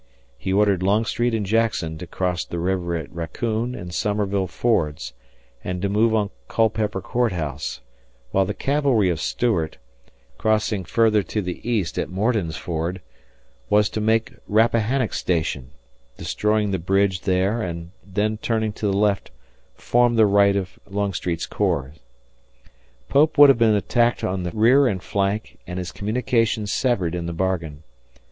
He ordered Longstreet and Jackson to cross the river at Raccoon and Somerville fords and to move on Culpeper Court House, while the cavalry of Stuart, crossing further to the east at Morton's Ford, was to make Rappahannock Station, destroying the bridge there and then turning to the left, form the right of Longstreet's corps. Pope would have been attacked in the rear and flank and his communications severed in the bargain.